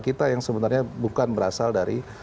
kita yang sebenarnya bukan berasal dari